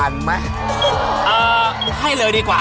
เงิน